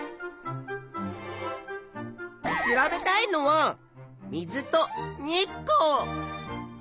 調べたいのは水と日光。